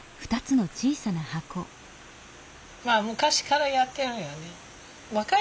まあ昔からやってるよね。